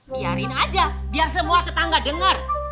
biarin aja biar semua tetangga dengar